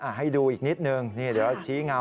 ให้ดูอีกนิดนึงนี่เดี๋ยวชี้เงา